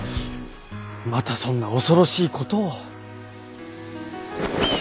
またそんな恐ろしいことを。